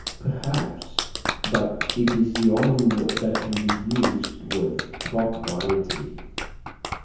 "Perhaps, but it is the only word that can be used with propriety."